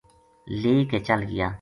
لے کے چل گیا